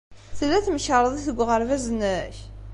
Tella temkarḍit deg uɣerbaz-nnek?